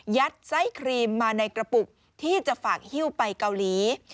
ไส้ครีมมาในกระปุกที่จะฝากฮิ้วไปเกาหลี